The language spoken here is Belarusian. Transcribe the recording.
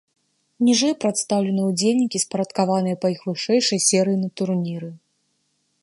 Ніжэй прадстаўлены ўдзельнікі, спарадкаваныя па іх вышэйшай серыі на турніры.